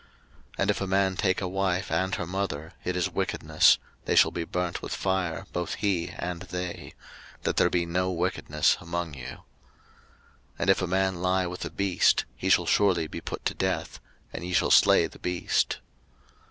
03:020:014 And if a man take a wife and her mother, it is wickedness: they shall be burnt with fire, both he and they; that there be no wickedness among you. 03:020:015 And if a man lie with a beast, he shall surely be put to death: and ye shall slay the beast.